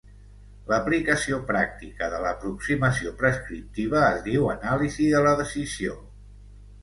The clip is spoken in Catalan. L'aplicació pràctica de l'aproximació prescriptiva es diu anàlisi de la decisió.